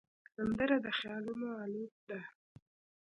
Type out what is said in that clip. سندره د خیالونو الوت ده